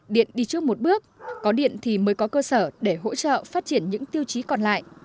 điện đi trước một bước có điện thì mới có cơ sở để hỗ trợ phát triển những tiêu chí còn lại